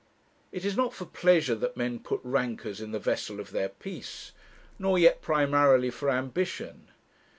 It is not for pleasure that men Put rancours in the vessel of their peace; nor yet primarily for ambition.